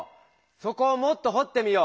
そこをもっとほってみよう。